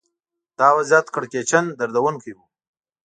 دا وضعیت کړکېچن دردونکی و